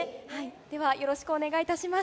では、よろしくお願いいたします。